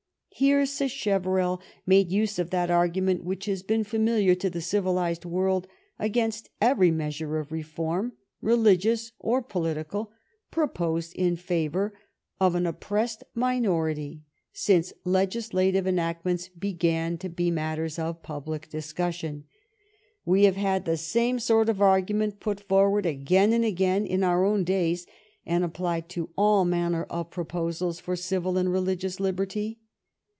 Here Sacheverell made use of that argument which has been familiar to the civilized world against every measure of reform, religious or political, proposed in favor of an oppressed minority since legislative en actments began to be matters of public discussion. We have had the same sort of argument put forward again and again in our own days, and applied to all manner of proposals for civil and religious liberty.